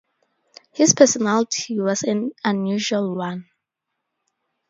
His personality was an unusual one.